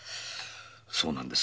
そうなんです。